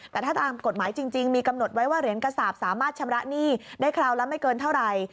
แต่ถ้าตามกฎหมายจริงมีกำหนดไว้ว่าเหรียญกระสาปสามารถชำระหนี้ได้คราวละไม่เกินเท่าไหร่